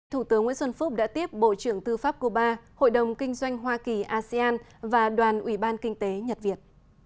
thủ tướng nguyễn xuân phúc đã tiếp bộ trưởng tư pháp cuba hội đồng kinh doanh hoa kỳ asean và đoàn ủy ban kinh tế nhật việt